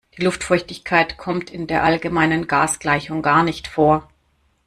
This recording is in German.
Die Luftfeuchtigkeit kommt in der allgemeinen Gasgleichung gar nicht vor.